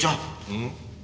うん？